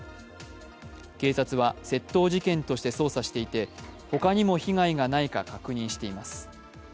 警察は窃盗事件として捜査していて他にも被害がないか確認しています。